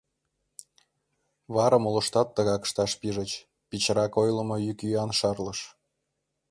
Вара молыштат тыгак ышташ пижыч, пичрак ойлымо йӱк-йӱан шарлыш.